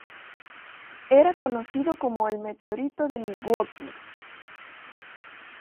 Era conocido como el "meteorito de Milwaukee".